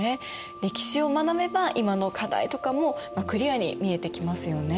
歴史を学べば今の課題とかもクリアに見えてきますよね。